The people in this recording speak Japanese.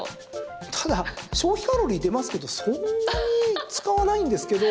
ただ、消費カロリー出ますけどそんなに使わないんですけど。